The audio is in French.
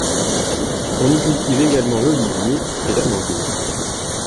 On y cultive également l'olivier, et l'amandier.